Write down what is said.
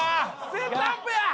セットアップや！